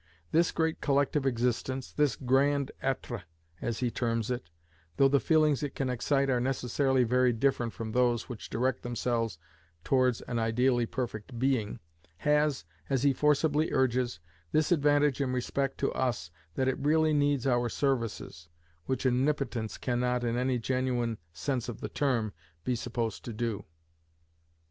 This great collective existence, this "Grand Etre," as he terms it, though the feelings it can excite are necessarily very different from those which direct themselves towards an ideally perfect Being, has, as he forcibly urges, this advantage in respect to us, that it really needs our services, which Omnipotence cannot, in any genuine sense of the term, be supposed to do: and M.